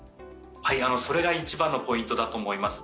それが一番のポイントだと思います。